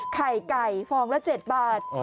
ไข่ไก่ฟองละ๗บาท